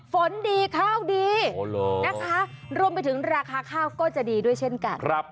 ฝนดีข้าวดีนะคะรวมไปถึงราคาข้าวก็จะดีด้วยเช่นกัน